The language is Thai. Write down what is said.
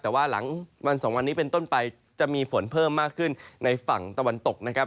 แต่ว่าหลังวันสองวันนี้เป็นต้นไปจะมีฝนเพิ่มมากขึ้นในฝั่งตะวันตกนะครับ